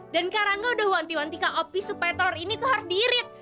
dan karangga udah wanti wantiin opi supaya telor ini tuh harus di irit